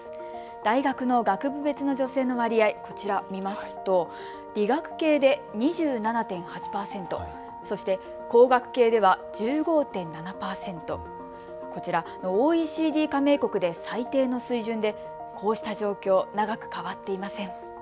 大学の学部別の女性の割合、こちら、見ますと理学系で２７．８％、そして工学系では１５．７％、こちらＯＥＣＤ加盟国で最低の水準でこうした状況、長く変わっていません。